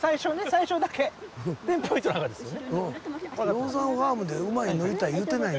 ノーザンファームで馬に乗りたい言うてないのよ。